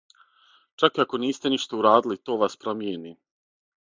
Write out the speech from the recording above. Чак и ако нисте ништа урадили, то вас промијени.